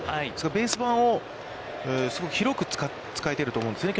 ベース板をすごく広く使えていると思うんですよね。